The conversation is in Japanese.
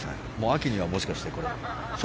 秋にはもしかして。